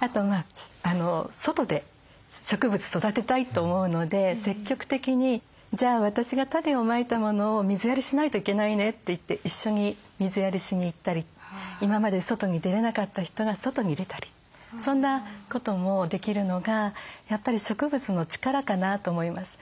あと外で植物育てたいと思うので積極的に「じゃあ私が種をまいたものを水やりしないといけないね」って言って一緒に水やりしに行ったり今まで外に出れなかった人が外に出たりそんなこともできるのがやっぱり植物の力かなと思います。